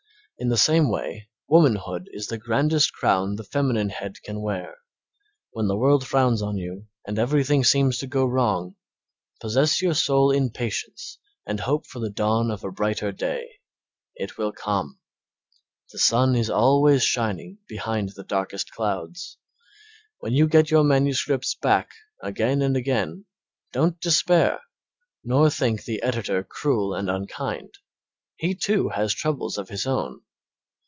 In the same way womanhood is the grandest crown the feminine head can wear. When the world frowns on you and everything seems to go wrong, possess your soul in patience and hope for the dawn of a brighter day. It will come. The sun is always shining behind the darkest clouds. When you get your manuscripts back again and again, don't despair, nor think the editor cruel and unkind. He, too, has troubles of his own.